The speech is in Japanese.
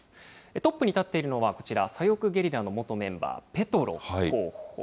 トップに立っているのは、こちら、左翼ゲリラの元メンバー、ペトロ候補。